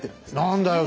何だよ。